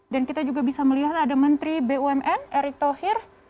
dan kita juga bisa melihat ada menteri bumn erick thohir